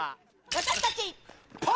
私たち。